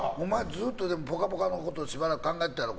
ずっと「ぽかぽか」のことしばらく考えてたやろ。